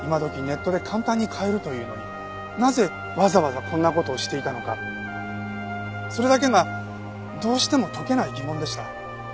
ネットで簡単に買えるというのになぜわざわざこんな事をしていたのかそれだけがどうしても解けない疑問でした。